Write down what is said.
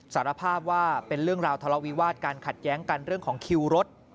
สารภาพว่าเป็นเรื่องราวทะเลาวิวาสการขัดแย้งกันเรื่องของคิวรถ